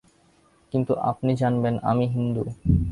কিন্তু আপনি জানবেন আমি হিন্দু।